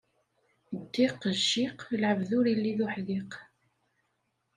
Ddiq, jjiq, lɛebd ur illi d uḥdiq.